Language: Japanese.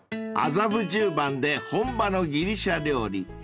［麻布十番で本場のギリシャ料理］